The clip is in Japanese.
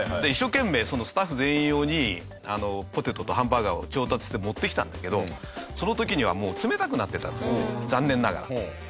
一生懸命スタッフ全員用にポテトとハンバーガーを調達して持ってきたんだけどその時にはもう冷たくなってたんですね残念ながら。